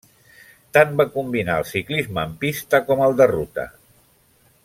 Tant va combinar el ciclisme en pista com el de ruta.